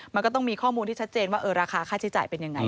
มันก็ต้องมีข้อมูลที่ชัดเจนว่าราคาค่าใช้จ่ายเป็นยังไง